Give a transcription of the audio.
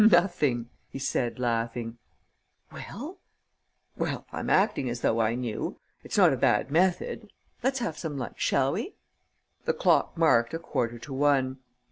"Nothing," he said, laughing. "Well?" "Well, I'm acting as though I knew. It's not a bad method. Let's have some lunch, shall we?" The clock marked a quarter to one.